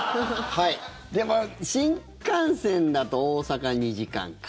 でも新幹線だと大阪２時間か。